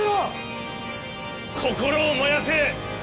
心を燃やせ！